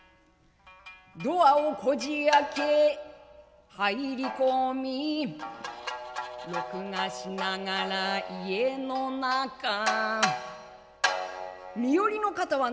ドアをこじ開け入り込み録画しながら家の中「身寄りの方はないのですか」。